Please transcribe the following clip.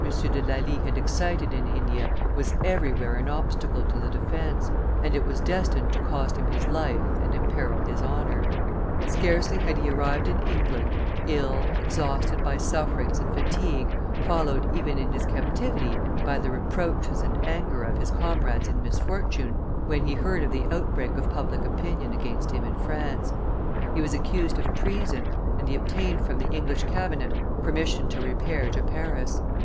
de Lally had excited in India was everywhere an obstacle to the defence; and it was destined to cost him his life and imperil his honor. Scarcely had he arrived in England, ill, exhausted by sufferings and fatigue, followed even in his captivity by the reproaches and anger of his comrades in misfortune, when be heard of the outbreak of public opinion against him in France; he was accused of treason; and he obtained from the English cabinet permission to repair to Paris.